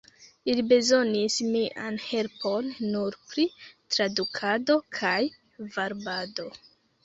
Ili bezonis mian helpon nur pri tradukado kaj varbado.